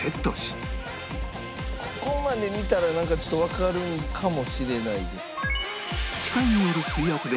ここまで見たらなんかちょっとわかるのかもしれないです。